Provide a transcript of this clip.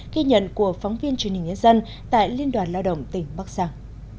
ghi nhận của phóng viên truyền hình nhân dân tại liên đoàn lao động tỉnh bắc giang